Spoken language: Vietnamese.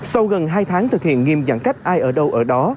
sau gần hai tháng thực hiện nghiêm giãn cách ai ở đâu ở đó